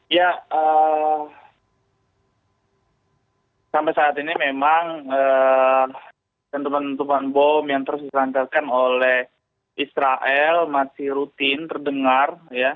ya sampai saat ini memang tentuan tentuman bom yang terus diselancarkan oleh israel masih rutin terdengar